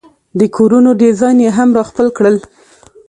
د کورونو ډیزاین یې هم را خپل کړل.